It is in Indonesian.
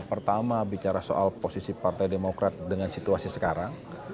pertama bicara soal posisi partai demokrat dengan situasi sekarang